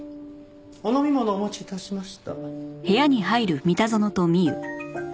お飲み物をお持ち致しました。